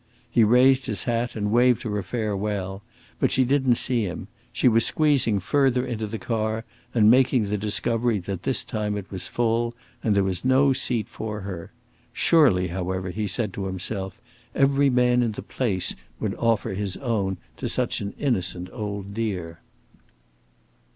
He raised his hat and waved her a farewell, but she didn't see him; she was squeezing further into the car and making the discovery that this time it was full and there was no seat for her. Surely, however, he said to himself, every man in the place would offer his own to such an innocent old dear.